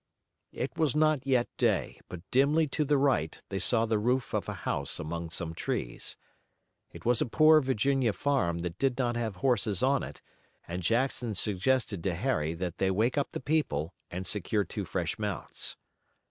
It was not yet day, but dimly to the right they saw the roof of a house among some trees. It was a poor Virginia farm that did not have horses on it, and Jackson suggested to Harry that they wake up the people and secure two fresh mounts.